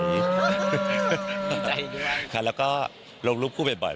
ขอบใจด้วยค่ะแล้วก็ลงรูปคู่เบ่นบ่อย